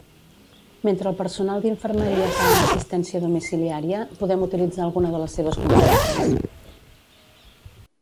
Mentre el personal d'infermeria fa assistència domiciliària, podem utilitzar alguna de les seves consultes.